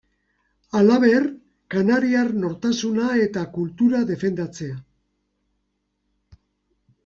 Halaber, kanariar nortasuna eta kultura defendatzea.